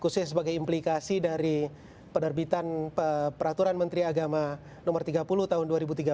khususnya sebagai implikasi dari penerbitan peraturan menteri agama no tiga puluh tahun dua ribu tiga belas